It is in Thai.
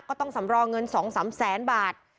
ต้องสำรองเงิน๒๓แสนบาท